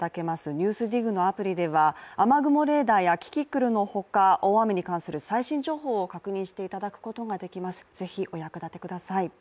「ＮＥＷＳＤＩＧ」のアプリでは雨雲レーダーやキキクルのほか大雨に関する最新情報を確認していただくことができます、ぜひお役立てください。